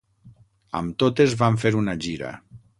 Amb totes van fer una gira.